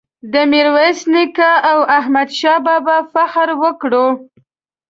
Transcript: د میرویس نیکه او احمد شاه بابا فخر وکړو.